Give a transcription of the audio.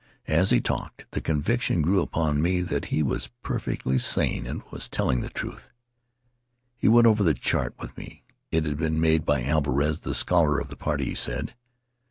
As he talked, the conviction grew upon me that he was perfectly sane and was telling the truth. He went over the chart with me. It had been made by Alvarez, the scholar of the party, he said.